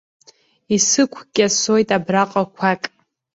Исықәкьасоит абраҟа қәак.